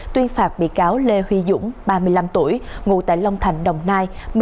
tuyên phạt bị cáo lê huy dũng ba mươi năm tuổi ngụ tại long thành đồng nai